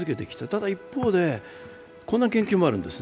ただ一方でこんな研究もあるんです。